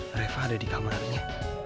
reva ada di kamarnya